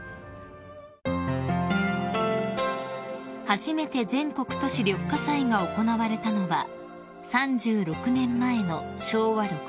［初めて全国都市緑化祭が行われたのは３６年前の昭和６１年］